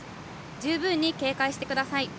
十分に警戒してください。